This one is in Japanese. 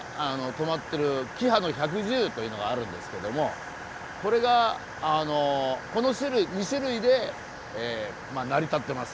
止まってるキハの１１０というのがあるんですけどもこれがこの２種類で成り立ってますね。